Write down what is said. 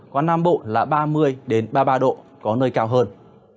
còn nam bộ là ba mươi ba mươi ba độ có nơi cao hơn